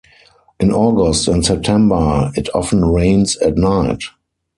In August and September it often rains at night.